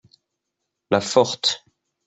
La forte.